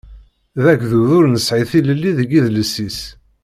D agdud ur nesɛi tilelli deg idles-is.